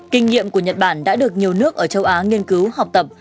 kinh nghiệm của nhật bản đã được nhiều nước ở châu á nghiên cứu học tập